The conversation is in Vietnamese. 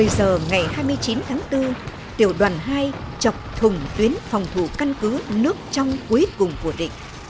hai mươi giờ ngày hai mươi chín tháng bốn tiểu đoàn hai chọc thùng tuyến phòng thủ căn cứ nước trong cuối cùng của địch